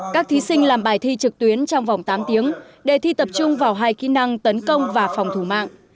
các thí sinh làm bài thi trực tuyến trong vòng tám tiếng đề thi tập trung vào hai kỹ năng tấn công và phòng thủ mạng